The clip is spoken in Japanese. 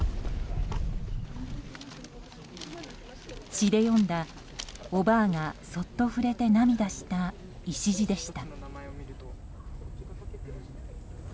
詩で詠んだおばぁがそっと触れて涙した礎でした。